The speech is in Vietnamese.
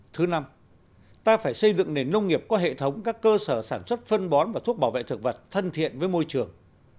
thứ năm ta phải xây dựng nền nông nghiệp qua hệ thống các cơ sở sản xuất phân bón và thuốc bảo vệ thực vật thân thiện với môi trường